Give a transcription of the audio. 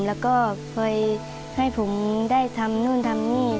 แล้วก็คอยให้ผมได้ทำนู่นทำนี่